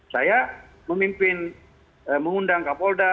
saya memimpin mengundang kapolda